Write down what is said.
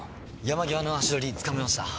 山際の足取りつかめました。